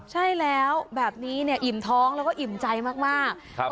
ใช่แล้วแบบนี้เนี่ยอิ่มท้องแล้วก็อิ่มใจมาก